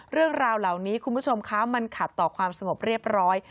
เรื่องราวเหล่านี้คุณผู้ชมคะมันขัดต่อความสงบเรียบร้อย